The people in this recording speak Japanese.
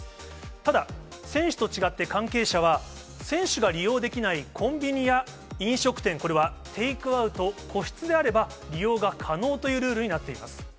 ただ、選手と違って関係者は、選手が利用できないコンビニや飲食店、これはテイクアウト、個室であれば利用が可能というルールになっています。